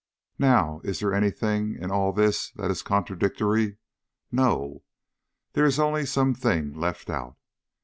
Now, is there any thing in all this that is contradictory? No; there is only something left out.